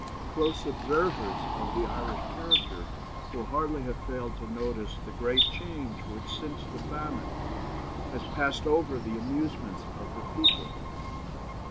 Close observers of the Irish character will hardly have failed to notice the great change which since the famine has passed over the amusements of the people.